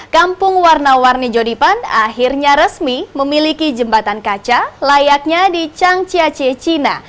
kampung warna warni jodipan akhirnya resmi memiliki jembatan kaca layaknya di chang chiachie china